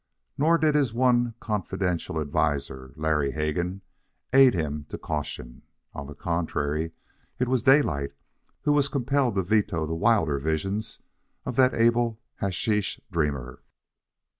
Nor did his one confidential adviser, Larry Hegan, aid him to caution. On the contrary, it was Daylight who was compelled to veto the wilder visions of that able hasheesh dreamer.